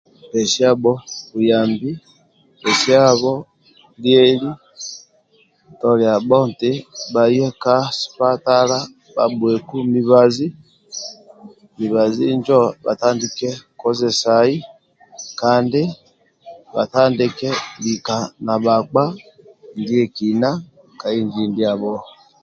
Pesiabho buyambi pesiabho lieli toliabho nti bhaye ka sipatala bhabhueku mibazi mibazi njo bhatandike kozesai kandi bhatandike lika na bhakpa ka inji ndiabho